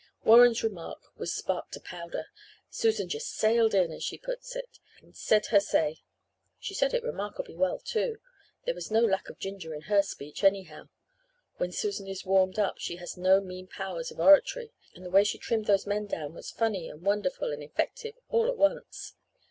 "Warren's remark was spark to powder. Susan just 'sailed in' as she puts it, and 'said her say.' She said it remarkably well, too. There was no lack of 'ginger' in her speech, anyhow. When Susan is warmed up she has no mean powers of oratory, and the way she trimmed those men down was funny and wonderful and effective all at once.